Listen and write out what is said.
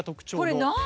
これ何？